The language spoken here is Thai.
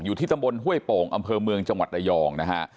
ที่ตำบลห้วยโป่งอำเภอเมืองจังหวัดระยองนะฮะ